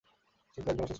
কিন্তু একজন অসুস্থ।